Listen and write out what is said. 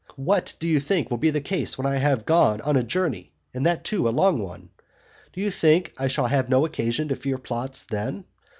What do you think will be the case when I have gone on a journey, and that too a long one? Do you think that I shall have no occasion to fear plots then?